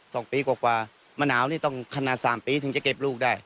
สองปีกว่ากว่ามะนาวนี่ต้องขนาดสามปีถึงจะเก็บลูกได้